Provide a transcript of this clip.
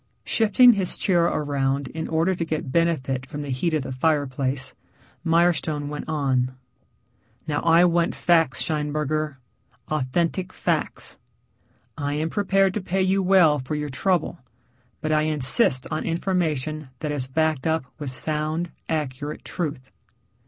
Shifting his chair around in order to get benefit from the heat of the fireplace, Mirestone went on. "Now I want facts, Scheinberger, authentic facts. I am prepared to pay you well for your trouble, but I insist on information that is backed up with sound, accurate truth."